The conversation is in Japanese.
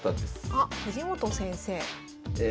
あっ藤本先生。